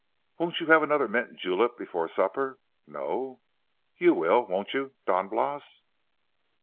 Won't you have another mint julep before supper? No? You will, won't you, Don Blas?"